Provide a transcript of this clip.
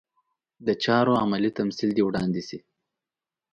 د چارو عملي تمثیل دې وړاندې شي.